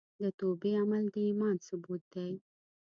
د توبې عمل د ایمان ثبوت دی.